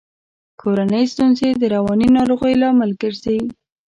کورنۍ ستونزي د رواني ناروغیو لامل ګرزي.